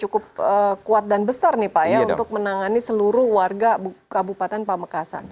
cukup kuat dan besar nih pak ya untuk menangani seluruh warga kabupaten pamekasan